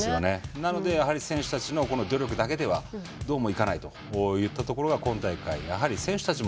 なので、選手たちの努力だけではどうもいかないといったところが今大会、選手たちも